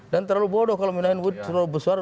dan terlalu bodoh kalau pembinaan uang terlalu besar